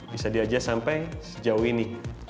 bisa diajak sampai sejauh ini